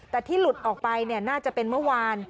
แต่ที่หลุดออกไปน่าจะเป็นเมื่อวาน